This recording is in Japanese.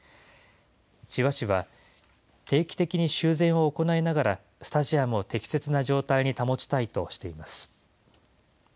千葉市は、定期的に修繕を行いながら、スタジアムを適切な状態に保ちたいとしています。